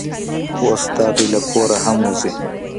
اوس دا دی له کوره هم وځي.